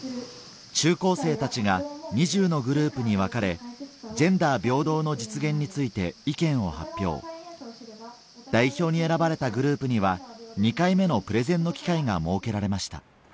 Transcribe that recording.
中高生たちが２０のグループに分かれジェンダー平等の実現について意見を発表代表に選ばれたグループには２回目のプレゼンの機会が設けられました